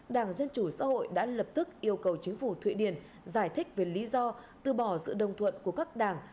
đảng dân chủ xã hội đã lập tức yêu cầu chính phủ thụy điển giải thích về lý do từ bỏ sự đồng thuận của các đảng